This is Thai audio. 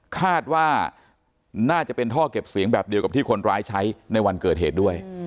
คาดว่าน่าจะเป็นท่อเก็บเสียงแบบเดียวกับที่คนร้ายใช้ในวันเกิดเหตุด้วย